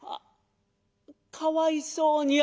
「かわいそうに。